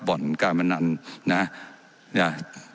ว่าการกระทรวงบาทไทยนะครับ